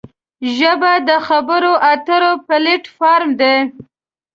ژبه د خبرو اترو پلیټ فارم دی